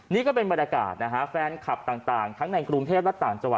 นี่ก็เป็นบรรยากาศนะฮะแฟนคลับต่างทั้งในกรุงเทพและต่างจังหวัด